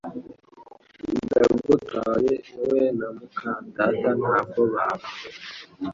Ndagutwaye wowe na muka data ntabwo babanye